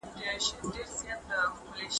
د لمر رڼا د ځمکې په سر هر لوري ته خپرېږي.